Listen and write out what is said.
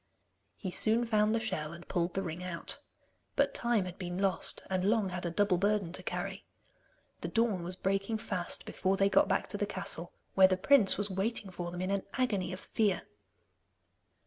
He soon found the shell, and pulled the ring out. But time had been lost, and Long had a double burden to carry. The dawn was breaking fast before they got back to the castle, where the prince was waiting for them in an agony of fear.